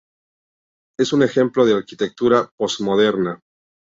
Es un ejemplo de arquitectura posmoderna.